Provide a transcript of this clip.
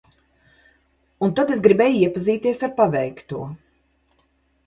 Un tad es gribēju iepazīties ar paveikto.